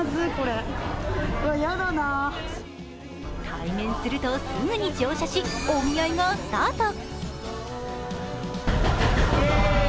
対面するとすぐに乗車し、お見合いがスタート。